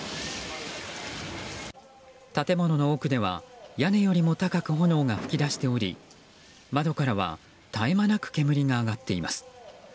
建物の奥では、屋根よりも高く炎が噴き出しており窓からは絶え間なく煙が上がっています。